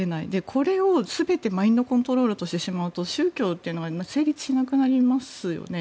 これを全てマインドコントロールとしてしまうと宗教というのが成立しなくなりますよね。